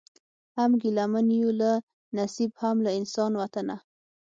هم ګیله من یو له نصیب هم له انسان وطنه